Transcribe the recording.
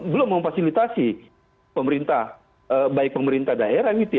belum memfasilitasi pemerintah baik pemerintah daerah gitu